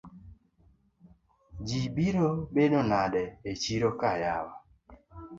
Ji biro bedo nade echiroka yawa?